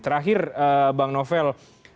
terakhir bang novel